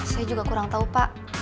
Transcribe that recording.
saya juga kurang tahu pak